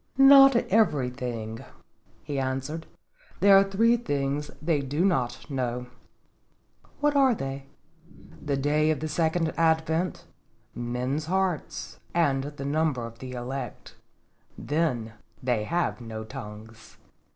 "Not everything," he answered; "there are three things they do not know." "What are they?" "The day of the Second Advent, men's hearts, and the number of the elect. Then they have no tongues."